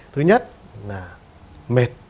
thứ nhất là mệt